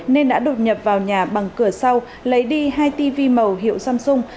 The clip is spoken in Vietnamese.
nên đã đột nhập vào nhà bằng cửa sau lấy đi hai tv màu hiệu samsung